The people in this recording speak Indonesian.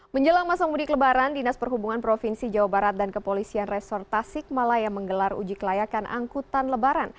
menjelang masa mudik lebaran dinas perhubungan provinsi jawa barat dan kepolisian resor tasik malaya menggelar uji kelayakan angkutan lebaran